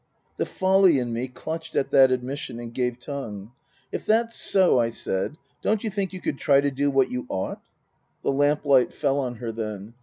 The folly in me clutched at that admission and gave tongue. " If that's so," I said, " don't you think you could try to do what you ought ?" The lamp light fell on her then.